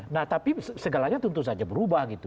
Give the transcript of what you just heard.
nah tapi segalanya tentu saja berubah gitu